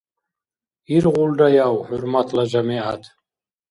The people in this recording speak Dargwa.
Иргъулраяв, хӀурматла жамигӀят?